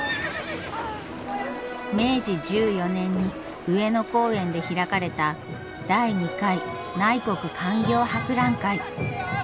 明治１４年に上野公園で開かれた第２回内国勧業博覧会。